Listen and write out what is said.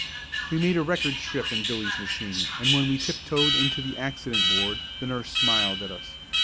We made a record trip in Billy's machine and when we tiptoed into the accident ward the nurse smiled at us.